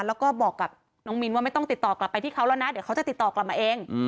แล้วก็บอกกับน้องมิ้นว่าไม่ต้องติดต่อกลับไปที่เขาแล้วนะเดี๋ยวเขาจะติดต่อกลับมาเอง